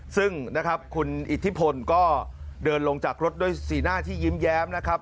ซึ่งนะครับคุณอิทธิพลก็เดินลงจากรถด้วยสีหน้าที่ยิ้มแย้มนะครับ